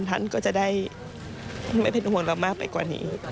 ท่านก็จะได้ไม่เป็นห่วงเรามากไปกว่านี้